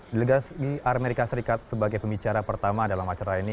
delegasi amerika serikat sebagai pembicara pertama dalam acara ini